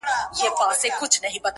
اغیار بدنامه کړی یم شړې یې او که نه -